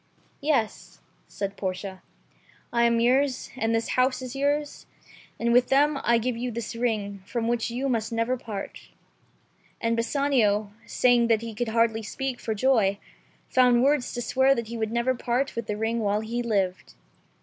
^'Yes," said Portia, "I am yours, and this house is yours, and with them I give you this ring, from which you must never part." And Bassanio, saying that he could hardly speak for joy, found words to swear that he would never part with the ring while he lived.